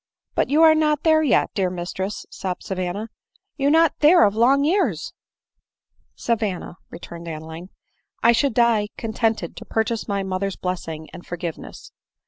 " But you not there yet, dear missess," sobbed Savanna ;" you not there of long years !"■^ p ADELINE MOWBRAY. 265 " Savanna," returned Adeline, " I should die contented to purchase my mother's blessing and forgiveness."